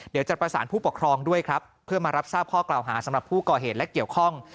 เดี๋ยวจะประสานผู้ปกครองด้วยครับเพื่อมารับทราบข้อกล่าวหาสำหรับผู้ก่อเหตุและเกี่ยวข้อง